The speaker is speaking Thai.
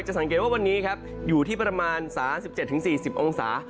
สังเกตว่าวันนี้ครับอยู่ที่ประมาณ๓๗๔๐องศา